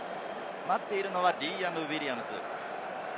待っているのはリアム・ウィリアムズ。